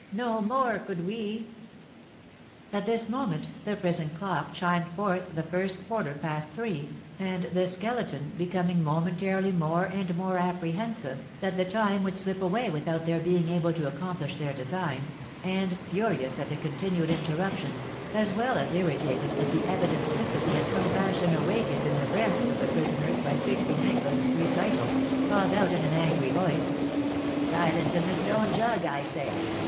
"No more could we!" At this moment the prison clock chimed forth the first quarter past three, and the Skeleton, becoming momentarily more and more apprehensive that the time would slip away without their being able to accomplish their design, and furious at the continued interruptions, as well as irritated at the evident sympathy and compassion awakened in the breasts of the prisoners by Pique Vinaigre's recital, called out in angry voice: "Silence in the stone jug, I say!